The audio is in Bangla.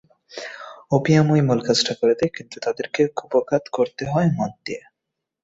অপিয়ামই মূল কাজটা করে দেয়, কিন্তু তাদেরকে কুপোকাত করতে হয় মদ দিয়ে।